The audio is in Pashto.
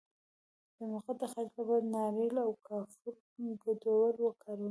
د مقعد د خارښ لپاره د ناریل او کافور ګډول وکاروئ